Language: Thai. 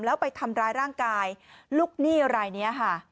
แล้วไปทำร้ายร่างกายลูกหนี้รายนี้ค่ะ